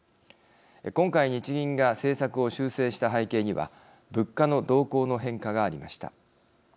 今回、日銀が政策を修正した背景には物価の動向の変化がありました。